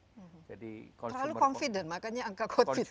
terlalu confident makanya angka confidence nya juga